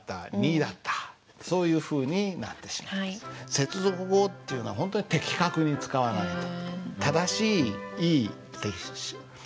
接続語っていうのはほんとに的確に使わないと。